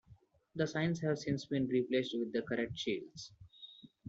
The signs have since been replaced with the correct shields.